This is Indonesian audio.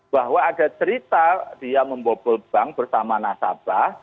bahwa ada cerita dia membobol bank bersama nasabah